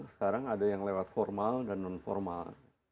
sekarang ada yang lewat formal dan non formal